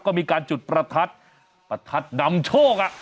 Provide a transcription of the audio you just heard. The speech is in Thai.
ก็มีการจุดประทัดประทัดนำโชค